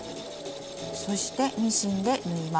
そしてミシンで縫います。